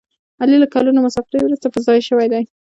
علي له کلونو مسافرۍ ورسته په ځای شوی دی.